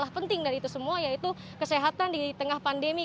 penting dari itu semua yaitu kesehatan di tengah pandemi